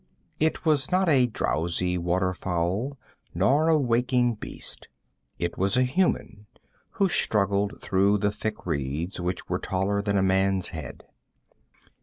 It was not a drowsy water fowl nor a waking beast. It was a human who struggled through the thick reeds, which were taller than a man's head.